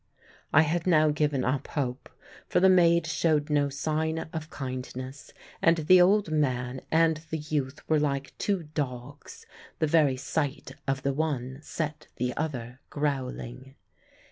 I had now given up hope, for the maid showed no sign of kindness, and the old man and the youth were like two dogs the very sight of the one set the other growling.